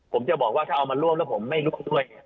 ผมจะบอกว่าถ้าเอามาร่วมแล้วผมไม่รู้ด้วย